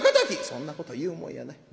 「そんなこと言うもんやない。